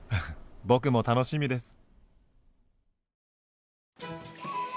僕も楽しみです。